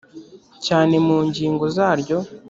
cyane mu ngingo zaryo